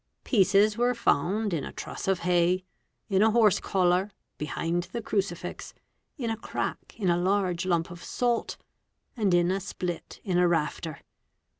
Pieces were found in a truss of hay, in a horse collar, behind the crucifix, in a crack ina large lump of salt, and in a split in a rafter.